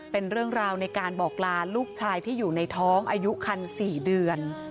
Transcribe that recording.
เป็นเรื่องราวในการบอกลาลูกชายที่อยู่ในท้องอายุคัน๔เดือน